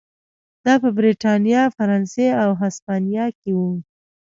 دا په برېټانیا، فرانسې او هسپانیا کې و.